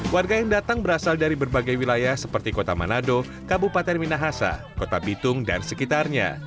warga yang datang berasal dari berbagai wilayah seperti kota manado kabupaten minahasa kota bitung dan sekitarnya